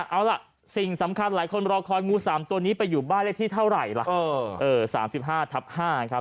เอาล่ะสิ่งสำคัญหลายคนรอคอยงู๓ตัวนี้ไปอยู่บ้านเลขที่เท่าไหร่ล่ะ๓๕ทับ๕ครับ